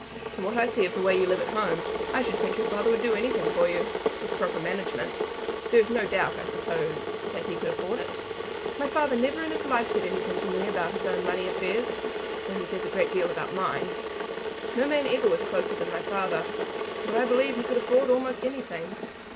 "From what I see of the way you live at home, I should think your father would do anything for you, with proper management. There is no doubt, I suppose, that he could afford it?" "My father never in his life said anything to me about his own money affairs, though he says a great deal about mine. No man ever was closer than my father. But I believe that he could afford almost anything."